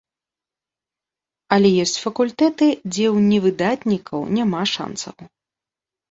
Але ёсць факультэты, дзе ў невыдатнікаў няма шанцаў.